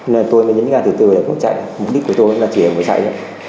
nên là tôi mới nhấn ga từ từ để bỏ chạy mục đích của tôi chỉ là để bỏ chạy